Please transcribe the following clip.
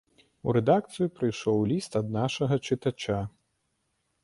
У рэдакцыю прыйшоў ліст ад нашага чытача.